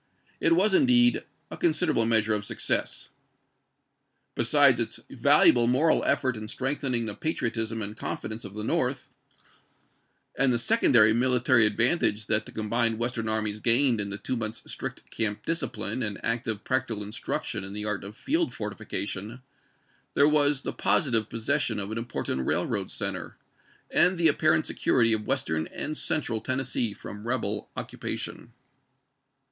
190, 191. 342 ABRAHAM LINCOLN Chap. XIX. its Valuable moral effect in strengthening the patriotism and confidence of the North, and the secondary military advantage that the combined AVestern armies gained in the two months' strict camp discipline and active practical instruction in the art of field fortification, there was the positive possession of an important railroad center, and the apparent secm'ity of Western and Central Tennessee from rebel occupation.